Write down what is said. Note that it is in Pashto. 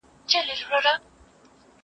که وخت وي، سندري وايم،